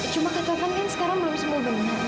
cuma kak taufan kan sekarang belum sembuh benar